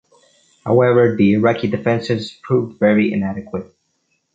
However, the Iraqi defenses proved very inadequate.